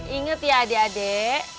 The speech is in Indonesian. ingat ya adek adek